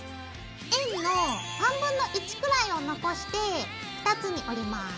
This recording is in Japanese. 円の1/3くらいを残して２つに折ります。